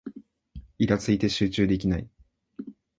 イラついて集中できない